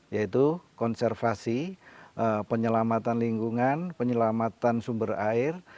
yaitu konservasi penyelamatan lingkungan penyelamatan sumber air